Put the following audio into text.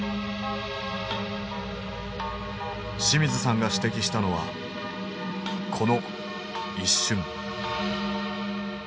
清水さんが指摘したのはこの一瞬。